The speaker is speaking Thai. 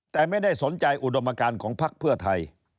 แต่ไม่ได้สนใจอุดมการของพักเพื่อไทย